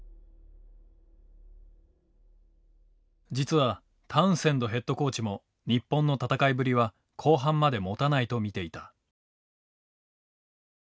実はタウンセンドヘッドコーチも日本の戦いぶりは後半までもたないと見ていた。